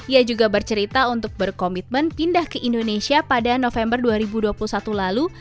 ia juga bercerita untuk berkomitmen pindah ke indonesia pada november dua ribu dua puluh satu lalu